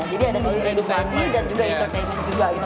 jadi ada sisi edukasi dan juga entertainment juga gitu